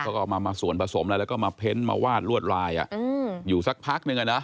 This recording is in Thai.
เขาก็เอามาสวนผสมแล้วก็มาเพ้นท์มาวาดรวดลายอยู่สักพักหนึ่งนะ